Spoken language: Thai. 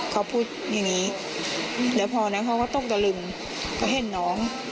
เขาพูดอย่างนี้แล้วพอนั้นเขาก็ตกตะลึงก็เห็นน้อง